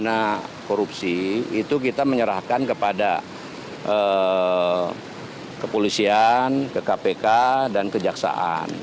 karena korupsi itu kita menyerahkan kepada kepolisian ke kpk dan kejaksaan